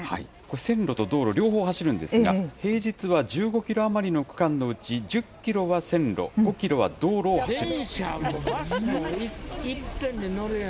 線路と道路、両方走るんですが、平日は１５キロ余りの区間のうち１０キロは線路、５キロは道路を走る。